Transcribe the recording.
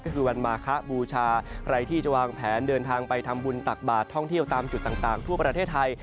ก็คือวันมาคะบูชาใครที่จะวางแผนเดินทางไปทำบุญตักบาทท่องเที่ยวตามจุดต่างทั่วประเทศไทย